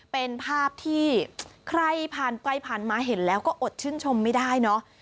เป็นภาพที่ใครผ่านไปผ่านมาเห็นแล้วก็อดชื่นชมไม่ได้เนอะ